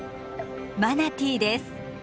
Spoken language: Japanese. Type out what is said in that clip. マナティーです。